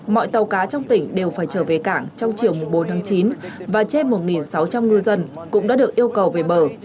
mọi tàu cá trong tỉnh đều phải trở về cảng trong chiều bốn tháng chín và trên một sáu trăm linh ngư dân cũng đã được yêu cầu về bờ